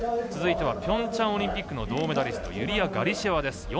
続いてはピョンチャンオリンピックの銅メダリストユリヤ・ガリシェワです。